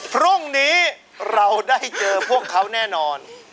พรุ่งนี้เราได้เจอพวกเขาแน่นอน